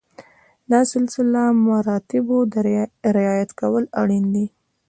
د سلسله مراتبو رعایت کول اړین دي.